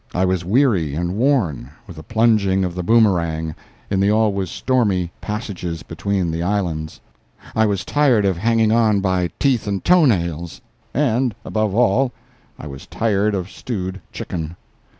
I was weary and worn with the plunging of the Boomerang in the always stormy passages between the islands; I was tired of hanging on by teeth and toenails and, above all, I was tired of stewed chicken.